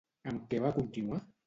Amb què va continuar?